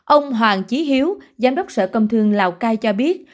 ông hoàng trí hiếu giám đốc sở công thương lào cai cho biết